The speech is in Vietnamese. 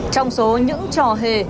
trong số những trò hề